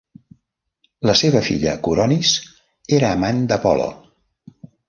La seva filla Coronis era amant d'Apol·lo.